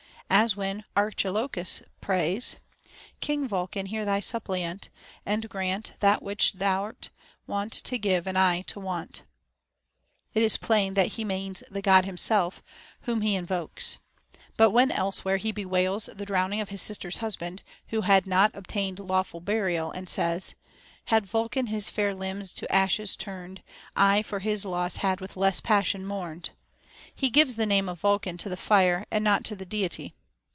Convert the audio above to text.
As when Archilochus prays, King Vulcan, hear thy suppliant, and grant That which thou'rt wont to give and Γ to want, it is plain that he means the God himself whom he in vokes. But when elsewhere he bewails the drowning of his sister's husband, who had not obtained lawful burial, and says, Had Vulcan his fair limbs to ashes turned, I for his loss had with less passion mourned, he gives the name of Vulcan to the fire and not to the Deity.